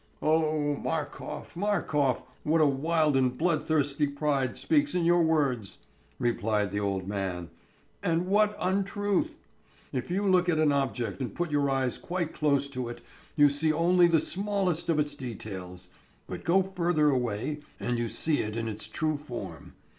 "O Markof, Markof, what a wild and bloodthirsty pride speaks in your words!" replied the old man. "And what untruth! If you look at an object and put your eyes quite close to it you see only the smallest of its details, but go further away, and you see it in its true form.